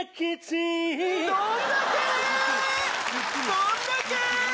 どんだけ！